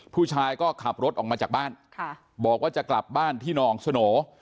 ผู้ชายก็ขับรถออกมาจากบ้านบอกว่าจะกลับบ้านที่นองสโหน